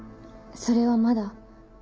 それはまだ。